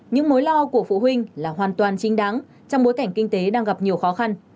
những mối lo của phụ huynh là hoàn toàn chính đáng trong bối cảnh kinh tế đang gặp nhiều khó khăn